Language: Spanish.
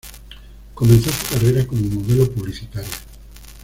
Comenzó su carrera como modelo publicitaria.